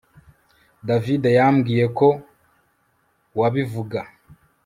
davide yambwiye ko wabivuga